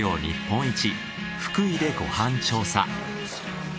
日本一福井でご飯調査。